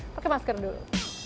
pakai masker dulu